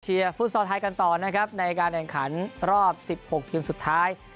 เชียร์ฟู้ดสอร์ทไทยกันต่อนะครับในการแข่งขันรอบสิบหกทีมสุดท้าย